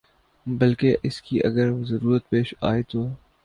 بلکہ اس کی اگر ضرورت پیش آئے تو